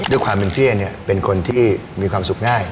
ด้วยความเป็นพี่เอเนี่ยเป็นคนที่มีความสุขง่าย